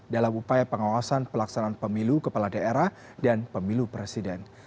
dalam upaya pengawasan pelaksanaan pemilu kepala daerah dan pemilu presiden